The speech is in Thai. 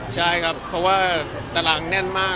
ใช่ครับเพราะว่าตารางแน่นมาก